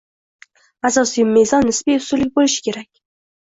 Asosiy mezon nisbiy ustunlik bo'lishi kerak